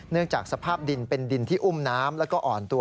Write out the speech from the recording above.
เนื่องจากสภาพดินเป็นดินที่อุ่มน้ำและอ่อนตัว